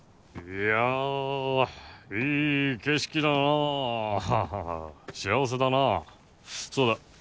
いやあいい景色だなぁ幸せだなそうだ